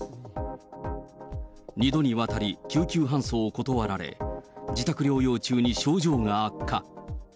２度にわたり救急搬送を断られ、自宅療養中に症状が悪化。